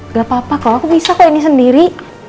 gak apa apa kalau aku bisa kok ini sendiri